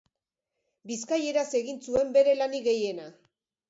Bizkaieraz egin zuen bere lanik gehiena.